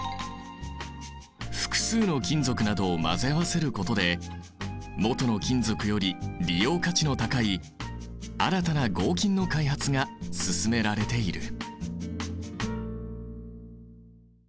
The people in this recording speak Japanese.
複数の金属などを混ぜ合わせることでもとの金属より利用価値の高い新たな合金の開発が進められている。